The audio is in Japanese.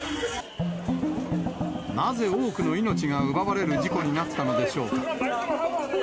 かわいい子だったので、なぜ多くの命が奪われる事故になったのでしょうか。